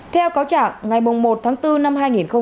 theo cáo chẳng ngày một tháng bốn năm hai nghìn hai mươi một